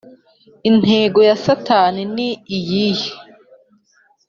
Intego ya Satani ni iyihe